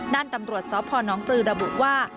ด้านตำรวจสพนปลือระบุว่า